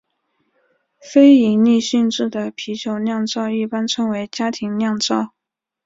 非营利性质的啤酒酿造一般称为家庭酿造。